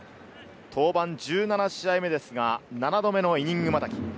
登板１７試合目ですが、７度目のイニングまたぎ。